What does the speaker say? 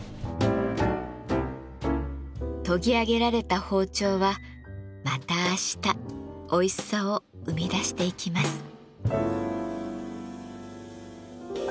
研ぎ上げられた包丁はまた明日おいしさを生み出していきます。